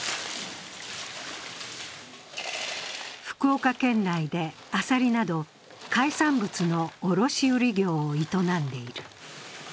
福岡県内でアサリなど海産物の卸売業を営んでいる。